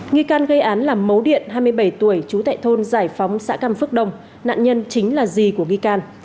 nghi can gây án là mấu điện hai mươi bảy tuổi trú tại thôn giải phóng xã cam phước đông nạn nhân chính là gì của nghi can